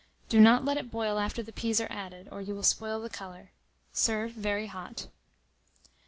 Do not let it boil after the peas are added, or you will spoil the colour. Serve very hot.